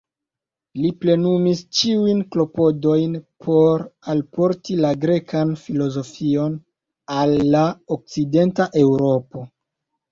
Li plenumis ĉiujn klopodojn por alporti la grekan filozofion al la Okcidenta Eŭropo.